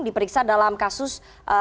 diperiksa dalam kasus